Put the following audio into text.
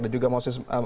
dan juga moses